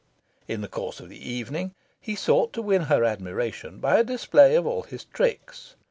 In the course of the evening, he sought to win her admiration by a display of all his tricks.